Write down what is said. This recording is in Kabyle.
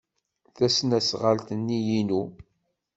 Tasnasɣalt-nni inu.